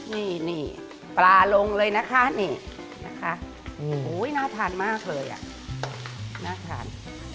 นี่ปลาลงเลยนะคะนี่นะคะโอ้ยน่าทานมากเลยอ่ะน่าทาน